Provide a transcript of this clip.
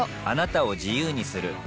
あなたを自由にする